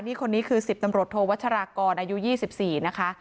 นี่คนนี้คือ๑๐ตำรวจโทวัชรากรอายุ๒๔นะคะ